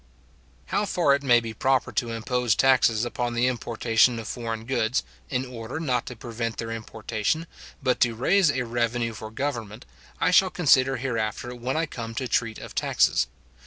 How far it may be proper to impose taxes upon the importation of foreign goods, in order not to prevent their importation, but to raise a revenue for government, I shall consider hereafter when I come to treat of taxes.